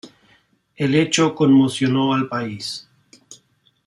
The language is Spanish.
El hecho conmocionó al país.